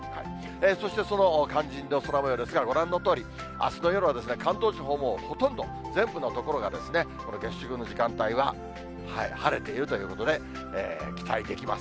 そしてその肝心の空もようですが、ご覧のとおり、あすの夜は関東地方もうほとんど全部の所が、この月食の時間帯は、晴れているということで、期待できます。